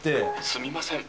すみません。